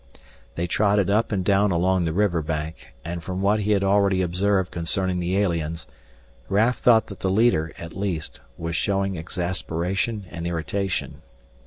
They trotted up and down along the river bank, and from what he had already observed concerning the aliens, Raf thought that the leader, at least, was showing exasperation and irritation.